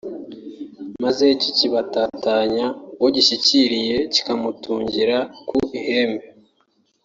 maze kikabatatanya uwo gishyikiriye kikamutungira ku ihembe